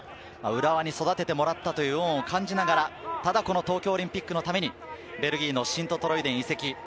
浦和に育ててもらったという恩を感じながら、ただこの東京オリンピックのためにベルギーのシントトロイデンへ移籍。